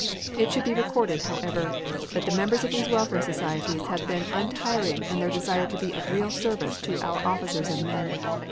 It should be recorded, however, that the members of these welfare societies have been untiring in their desire to be of real service to our officers and men.